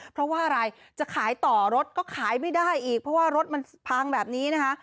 เพราะว่าอะไรจะขายต่อรถก็ขายไม่ได้อีกเพราะว่ารถมันพังแบบนี้นะคะ